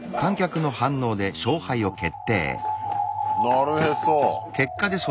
なるへそ。